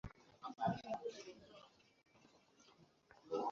শুধুমাত্র তিনিই সেখানে।